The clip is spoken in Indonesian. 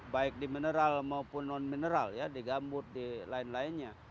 baik di mineral maupun non mineral ya di gambut di lain lainnya